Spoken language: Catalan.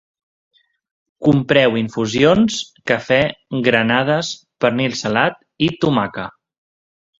Compreu infusions, cafè, granades, pernil salat i tomaca